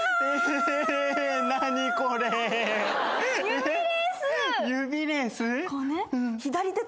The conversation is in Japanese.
えっ？